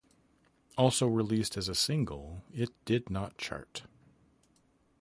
Also released as a single, it did not chart.